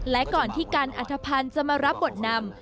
และก่อนที่การอรรถพันธ์จะมารับบทนำ